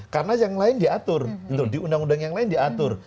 karena yang lain diatur di undang undang yang lain diatur